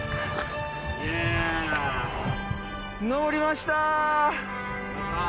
登りましたー！